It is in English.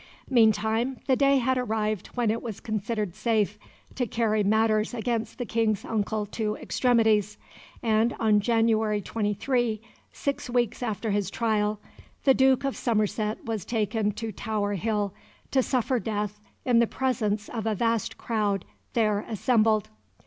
Meantime the day had arrived when it was considered safe to carry matters against the King's uncle to extremities, and on January 23, six weeks after his trial, the Duke of Somerset was taken to Tower Hill, to suffer death in the presence of a vast crowd there assembled.